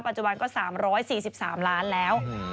ปัจจุบันก็๓๔๓ล้านแล้ว